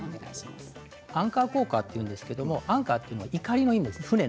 アンカー効果というんですがアンカーというのは船のいかりという意味です。